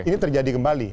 ini terjadi kembali